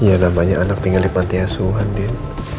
ya namanya anak tinggal di menteasuhan din